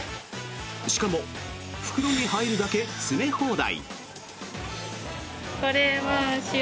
しかも袋に入るだけ詰め放題。